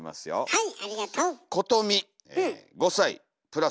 はい。